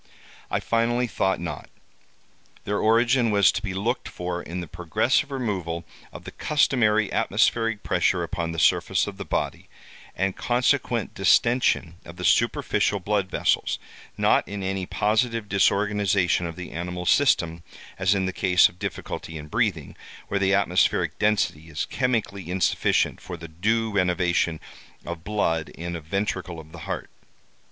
I finally thought not. Their origin was to be looked for in the progressive removal of the customary atmospheric pressure upon the surface of the body, and consequent distention of the superficial blood vessels—not in any positive disorganization of the animal system, as in the case of difficulty in breathing, where the atmospheric density is chemically insufficient for the due renovation of blood in a ventricle of the heart.